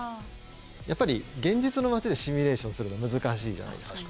やっぱり現実の街でシミュレーションするの難しいじゃないですか。